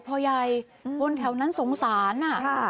โอ้พ่อใหญ่คนแถวนั้นสงสารน่ะ